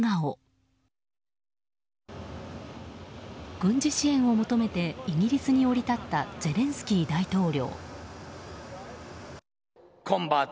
軍事支援を求めてイギリスに降り立ったゼレンスキー大統領。